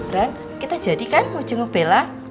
ren kita jadi kan mau jenguk bella